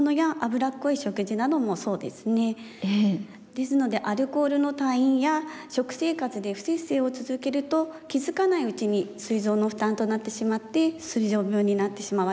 ですのでアルコールの多飲や食生活で不摂生を続けると気付かないうちにすい臓の負担となってしまってすい臓病になってしまわれる方もいらっしゃいます。